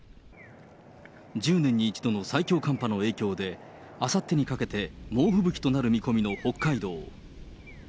１０年に一度の最強寒波の影響で、あさってにかけて猛吹雪となる見込みの北海道。